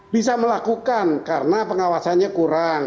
bisa melakukan karena pengawasannya kurang